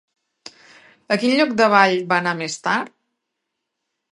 A quin lloc d'avall va anar més tard?